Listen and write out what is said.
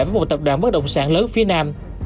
với một tập đoàn mất động sản lớn phía nam